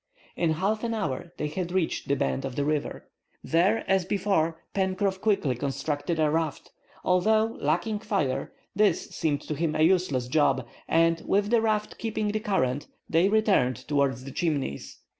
In half an hour they had reached the bend of the river. There, as before, Pencroff quickly constructed a raft, although, lacking fire, this seemed to him a useless job, and, with the raft keeping the current, they returned towards the Chimneys.